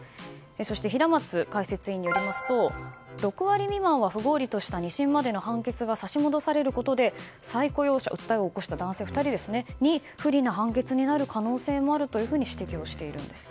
そして平松解説委員によりますと６割未満は不合理とした２審までの判決が差し戻されることで再雇用者、訴えを起こした男性２人に不利な判決になる可能性もあると指摘しています。